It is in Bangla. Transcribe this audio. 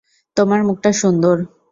তোমার মুখটা সুন্দর।